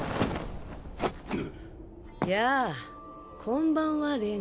やあこんばんは。